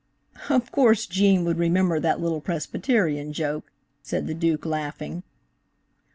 '" "Of course Gene would remember that little Presbyterian joke," said the Duke, laughing.